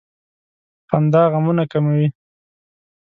• خندا غمونه کموي.